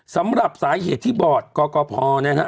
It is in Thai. สำหรับสาเหตุที่บอร์ดกพนะฮะ